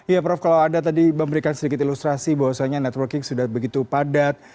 iya prof kalau anda tadi memberikan sedikit ilustrasi bahwa soalnya networking sudah begitu padat